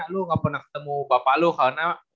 lu gak pernah ketemu bapak lu karena